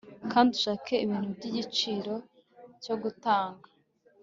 kandi ushake ibintu by'igiciro cyo gutanga